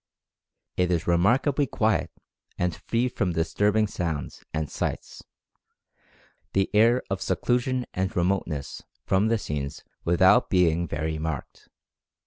It is remarkably quiet and free from disturbing sounds and sights, the air of seclusion and remoteness from the scenes without being very marked.